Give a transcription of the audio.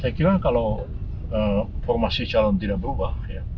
saya kira kalau formasi calon tidak berubah